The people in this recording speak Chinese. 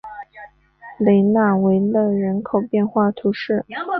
雷讷维勒人口变化图示